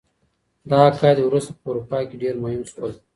دا عقاید وروسته په اروپا کي ډیر مهم سول.